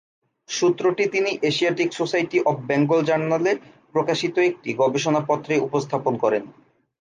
সূত্রটি তিনি Asiatic Society of Bengal জার্নালে প্রকাশিত একটি গবেষণা পত্রে উপস্থাপন করেন।